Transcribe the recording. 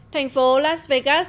thành phố las vegas